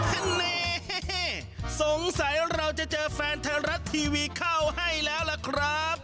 อันนี้สงสัยเราจะเจอแฟนไทยรัฐทีวีเข้าให้แล้วล่ะครับ